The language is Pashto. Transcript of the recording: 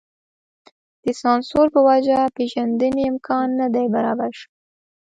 د سانسور په وجه پېژندنې امکان نه دی برابر شوی.